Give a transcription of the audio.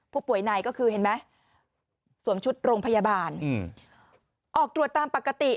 ผู้ป่วยในก็คือเห็นไหมสวมชุดโรงพยาบาลออกตรวจตามปกติ